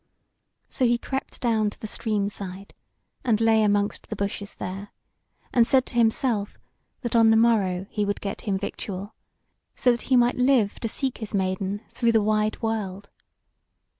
So he crept down to the stream side, and lay amongst the bushes there; and said to himself, that on the morrow he would get him victual, so that he might live to seek his Maiden through the wide world.